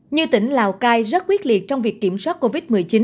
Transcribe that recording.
như tỉnh lào cai rất quyết liệt trong việc kiểm soát covid một mươi chín